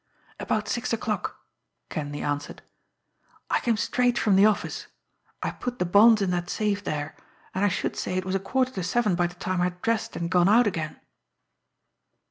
"About six o'clock," Kenleigh answered. "I came straight from the office. I put the bonds in that safe there, and I should say it was a quarter to seven by the time I had dressed and gone out again."